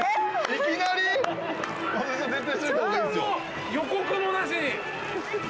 いきなり？何の予告もなしに。